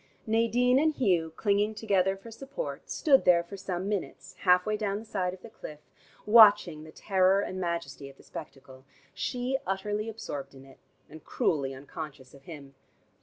Nadine and Hugh, clinging together for support, stood there for some minutes, half way down the side of the cliff, watching the terror and majesty of the spectacle, she utterly absorbed in it and cruelly unconscious of him.